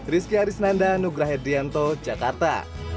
rizky arisnanda nugra hedrianto jakarta